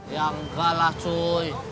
ya enggak lah cuy